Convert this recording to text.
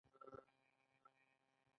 دې مبادلې ته توکي د پیسو په مقابل کې وايي